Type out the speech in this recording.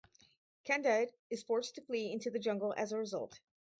Candide is forced to flee into the jungle as a result.